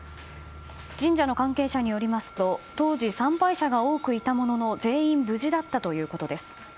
神社の関係者によりますと当時、参拝者が多くいたものの全員無事だったということです。